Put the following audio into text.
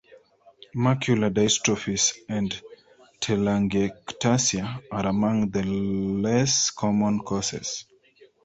Macular dystrophies and telangiectasia are among the less common causes.